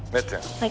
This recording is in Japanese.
はい。